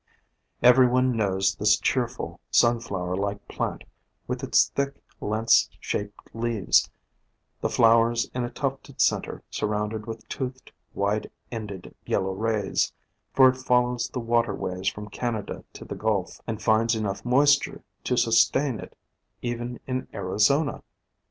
Every one knows this cheerful, Sunflower like plant, — with its thick, lance shaped leaves, the flowers in a tufted center surrounded with toothed, wide ended yellow rays, — for it follows the water ways from Canada to the Gulf, and finds enough moisture to sustain it even in Arizona.